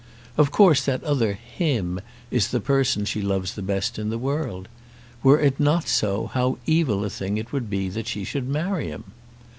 Of course that other "him" is the person she loves the best in the world. Were it not so how evil a thing it would be that she should marry him!